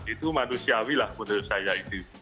itu manusiawi lah menurut saya itu